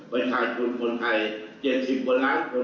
ไปถ่ายถนนไทย๗๐บะหลายคน